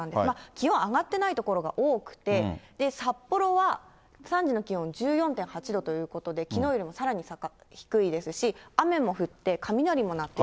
気温上がってない所が多くて、札幌は３時の気温、１４．８度ということで、きのうよりもさらに低いですし、雨も降って雷も鳴っている。